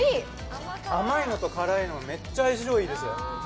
甘いのと辛いの、めっちゃ相性いいです。